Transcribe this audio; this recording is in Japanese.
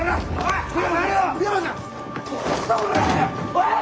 おい！